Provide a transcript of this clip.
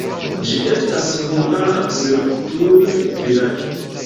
Ĝi estis hungara servutul-vilaĝo.